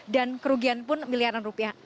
dan kerugian pun miliaran rupiah